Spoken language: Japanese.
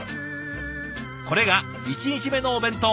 これが１日目のお弁当。